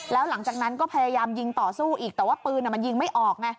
แล้วหลังจากนั้นก็พยายามยิงต่อสู้อีกแต่ว่าปืนมันยิงไม่ออกไง